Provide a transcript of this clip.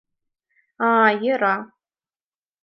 А-а-а, йӧра...